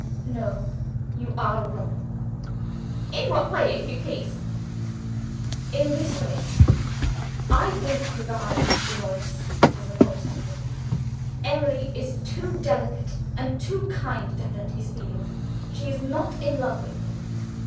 "No; you are wrong." "In what way, if you please?" "In this way. I don't regard Mr. Morris as an obstacle. Emily is too delicate and too kind to hurt his feelings she is not in love with him.